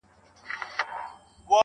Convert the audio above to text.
سوله كوم خو زما دوه شرطه به حتمآ منې.